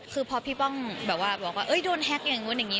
คือพอพี่ป้องแบบว่าบอกว่าโดนแฮ็กอย่างนู้นอย่างนี้